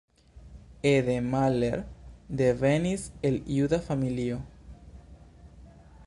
Ede Mahler devenis el juda familio.